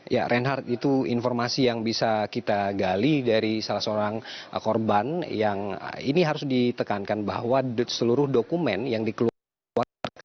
ya reinhardt itu informasi yang bisa kita gali dari salah seorang korban yang ini harus ditekankan bahwa seluruh dokumen yang dikeluarkan